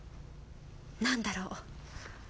何だろう。